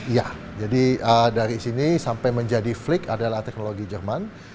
iya jadi dari sini sampai menjadi flake adalah teknologi jerman